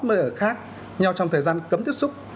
ở khác nhau trong thời gian cấm tiếp xúc